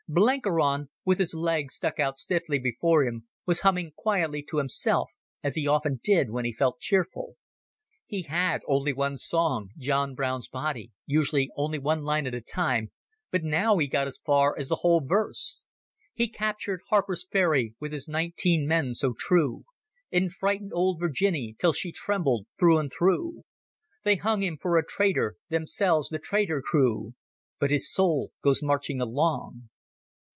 Blenkiron, with his leg stuck out stiffly before him, was humming quietly to himself, as he often did when he felt cheerful. He had only one song, "John Brown's Body"; usually only a line at a time, but now he got as far as the whole verse: "He captured Harper's Ferry, with his nineteen men so true, And he frightened old Virginny till she trembled through and through. They hung him for a traitor, themselves the traitor crew, But his soul goes marching along."